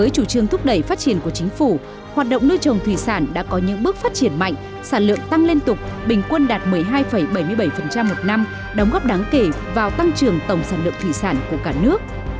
chủ trương thúc đẩy phát triển của chính phủ hoạt động nuôi trồng thủy sản đã có những bước phát triển mạnh sản lượng tăng liên tục bình quân đạt một mươi hai bảy mươi bảy một năm đóng góp đáng kể vào tăng trưởng tổng sản lượng thủy sản của cả nước